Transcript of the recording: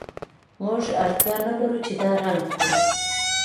موږ اړتیا نلرو چې دا رنګ کړو